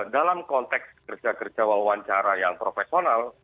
dalam konteks kerja kerja wawancara yang profesional